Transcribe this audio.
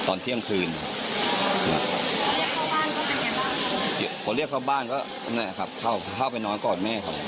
ตอนเที่ยงคืนคนเรียกเข้าบ้านเขาเข้าไปนอนกอดแม่เขา